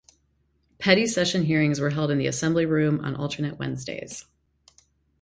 Petty session hearings were held in the assembly room on alternate Wednesdays.